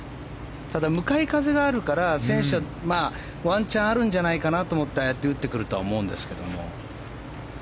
ただ、向かい風があるから選手は、ワンチャンあるんじゃないかと思ってああやって打ってくるとは思うんですけれども。